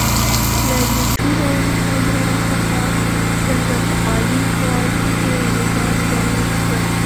له یوټیوب او انسټاګرام څخه څنګه په اعلی کوالټي کې ویډیوګانې ډاونلوډ کړم؟